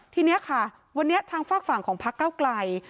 ทีนี้ค่ะวันนี้ทางฝากฝั่งของพักเก้าไกล